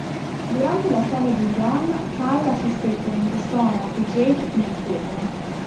Durante la saga di Ion, Kyle assistette mentre Sonar e Jade combattevano.